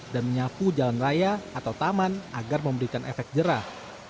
dan menyapu jalan raya atau taman agar memberikan efek jerah